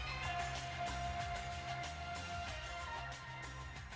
bersama rakyat tni kuat